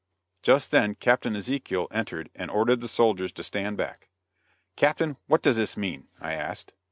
Just then Captain Ezekiel entered and ordered the soldiers to stand back. "Captain, what does this mean?" I asked.